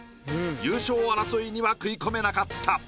優勝争いには食い込めなかった。